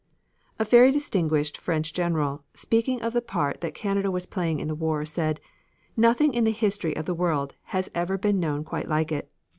A very distinguished French general, speaking of the part that Canada was playing in the war, said, "Nothing in the history of the world has ever been known quite like it.